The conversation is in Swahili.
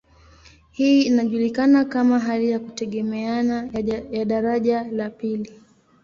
Hii inajulikana kama hali ya kutegemeana ya daraja la pili.